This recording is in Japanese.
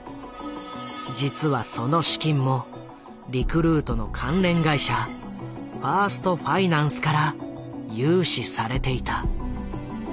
実はその資金もリクルートの関連会社ファーストファイナンスから融資されていた。